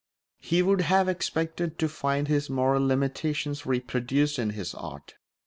He would have expected to find his moral limitations reproduced in his art.